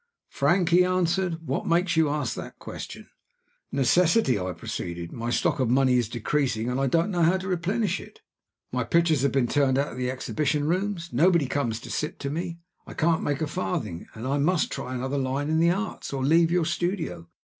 "Frank," he answered, "what makes you ask that question?" "Necessity," I proceeded. "My stock of money is decreasing, and I don't know how to replenish it. My pictures have been turned out of the exhibition rooms; nobody comes to sit to me; I can't make a farthing; and I must try another line in the Arts, or leave your studio.